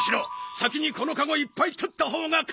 先にこのカゴいっぱいとったほうが勝ちじゃ！